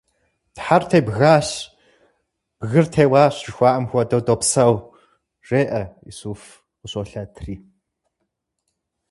Тхьэр тебгащ, бгыр теуащ, жыхуаӀэм хуэдэу допсэу, – жеӀэ Исуф къыщолъэтри.